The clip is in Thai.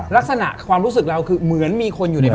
ลักษณะความรู้สึกเราคือเหมือนมีคนอยู่ในบ้าน